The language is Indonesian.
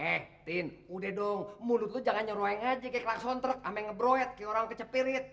eh tin udah dong mulut lo jangan nyeruain aja kayak ke lakson trek ame ngebroet kayak orang kecepirit